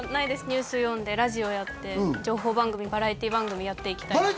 ニュース読んでラジオやって情報番組バラエティ番組やっていきたい